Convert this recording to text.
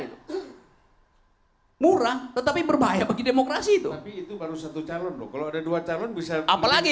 hai murah tetapi berbahaya bagi demokrasi itu baru satu calon kalau ada dua calon bisa apalagi